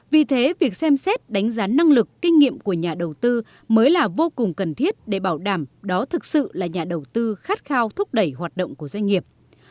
vì thế việc xem xét đánh giá năng lực kinh nghiệm của nhà đầu tư mới là vô cùng cần thiết để bảo đảm đó thực sự là nhà đầu tư khát khao thúc đẩy hoạt động của doanh nghiệp